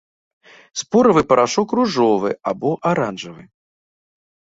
Споравы парашок ружовы або аранжавы.